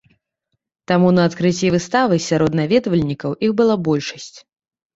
Таму на адкрыцці выставы сярод наведвальнікаў іх была большасць.